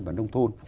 và nông thôn